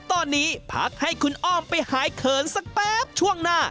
ตอนนี้พักให้คุณอ้อมไปหายเขินสักแป๊บช่วงหน้า